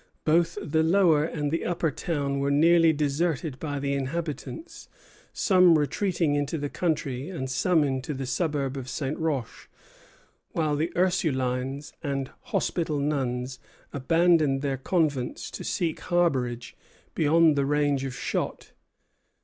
Both the lower and the upper town were nearly deserted by the inhabitants, some retreating into the country, and some into the suburb of St. Roch; while the Ursulines and Hospital nuns abandoned their convents to seek harborage beyond the range of shot.